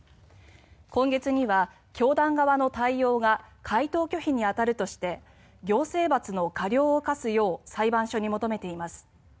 今月には教団側の対応が回答拒否に当たるとして行政罰の過料を科すよう裁判所に求めています。